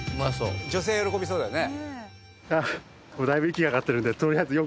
女性喜びそうだよね。